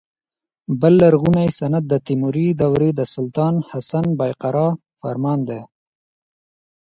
بل لرغونی سند د تیموري دورې د سلطان حسن بایقرا فرمان دی.